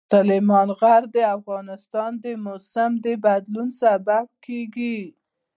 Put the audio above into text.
سلیمان غر د افغانستان د موسم د بدلون سبب کېږي.